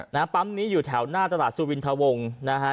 ปั๊มนี้อยู่แถวหน้าตลาดสุวินทะวงนะฮะ